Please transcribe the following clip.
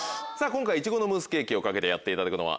今回いちごのムースケーキを懸けてやっていただくのは。